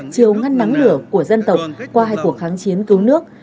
chiều ngăn nắng lửa của dân tộc qua hai cuộc kháng chiến cứu nước